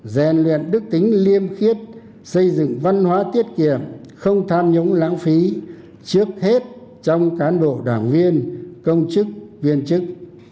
rèn luyện đức tính liêm khiết xây dựng văn hóa tiết kiệm không tham nhũng lãng phí trước hết trong cán bộ đảng viên công chức viên chức